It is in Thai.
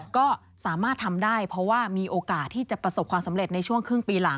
ก็สามารถทำได้เพราะว่ามีโอกาสที่จะประสบความสำเร็จในช่วงครึ่งปีหลัง